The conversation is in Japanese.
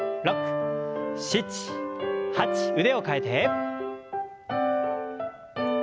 腕を替えて。